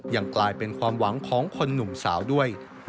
ยังกลายเป็นความหวังของคนหนุ่มสาวด้วย